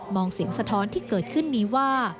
องเสียงสะท้อนที่เกิดขึ้นนี้ว่า